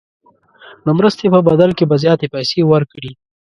د مرستې په بدل کې به زیاتې پیسې ورکړي.